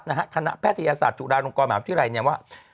ในแพทยรรณีระโต๊ะว่า